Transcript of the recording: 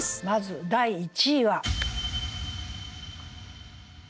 まず第１位は。